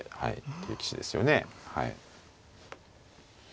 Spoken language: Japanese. という棋士ですよね。